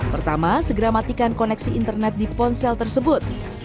pertama segera matikan koneksi internet di ponsel tersebut